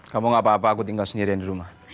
kamu gak apa apa aku tinggal sendirian di rumah